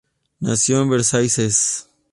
Nació en Versailles.